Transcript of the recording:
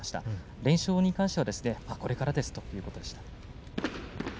連勝に関しては、これからですということでした。